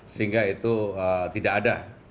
sehingga itu tidak ada